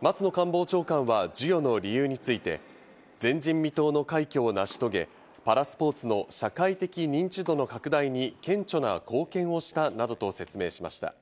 松野官房長官は授与の理由について、前人未到の快挙を成し遂げ、パラスポーツの社会的認知度の拡大に顕著な貢献をしたなどと説明しました。